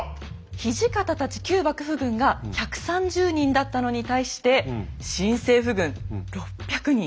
土方たち旧幕府軍が１３０人だったのに対して新政府軍６００人。